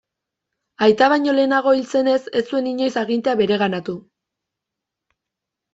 Aita baino lehenago hil zenez ez zuen inoiz agintea bereganatu.